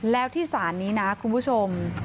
แล้วที่ศาลนี้นะคุณผู้ชม